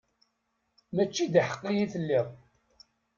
Mačči d aḥeqqi i telliḍ.